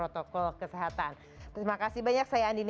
terima kasih banyak